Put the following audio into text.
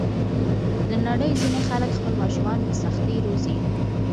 د نړۍ ځینې خلک خپل ماشومان په سختۍ روزي.